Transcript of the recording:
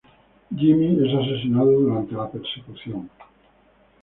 Jimmy es asesinado durante la persecución.